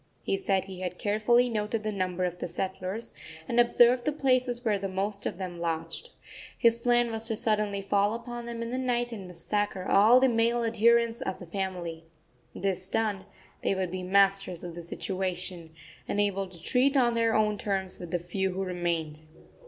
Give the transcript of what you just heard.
He said he had carefully noted the number of the settlers, and observed the places where the most of them lodged. His plan was to suddenly fall upon them in the night and massacre all the male adherents of the family. This done, they would be masters of the situation, and able to treat on their own terms with the few who remained.